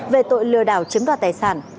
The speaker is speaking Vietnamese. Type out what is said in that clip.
về tội lừa đảo chiếm đoạt tài sản